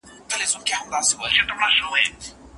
د مصاهرت حرمت مشترک حق دی.